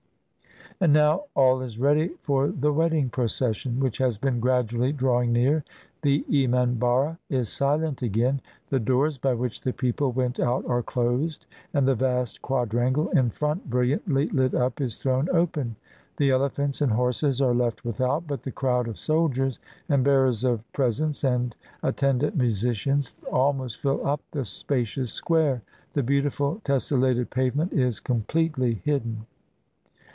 And now all is ready for the wedding procession, which has been gradually drawing near. The emanharra is silent again. The doors by which the people went out are closed, and the vast quadrangle in front, brilliantly lit up, is thrown open. The elephants and horses are left without; but the crowd of soldiers and bearers of pres ents and attendant musicians almost fill up the spa cious square — the beautiful tessellated pavement is completely hidden.